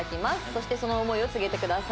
そしてその思いを告げてください。